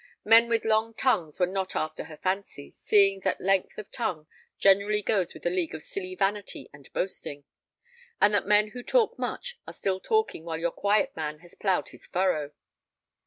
Men with long tongues were not after her fancy, seeing that length of tongue generally goes with a league of silly vanity and boasting, and that men who talk much are still talking while your quiet man has ploughed his furrow.